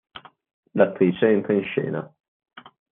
L'attrice entra in scena.